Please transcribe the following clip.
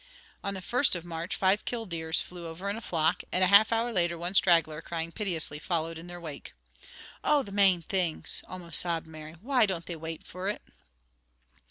On the first of March, five killdeers flew over in a flock, and a half hour later one straggler crying piteously followed in their wake. "Oh, the mane things!" almost sobbed Mary. "Why don't they wait for it?"